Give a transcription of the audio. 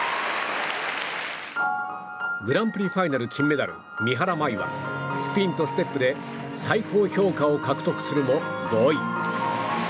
グランプリファイナル金メダル三原舞依はスピンとステップで最高評価を獲得するも５位。